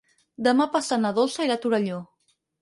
Demà passat na Dolça irà a Torelló.